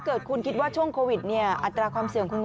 เกิดคุณคิดว่าช่วงโควิดเนี่ยอัตราความเสี่ยงคุณ